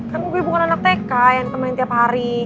kan gue bukan anak teka yang temenin tiap hari